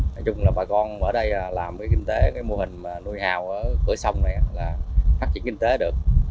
nói chung là bà con ở đây làm kinh tế cái mô hình nuôi hào ở cửa sông này là phát triển kinh tế được